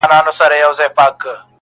ګیدړ سمدستي پنیر ته ورحمله کړه٫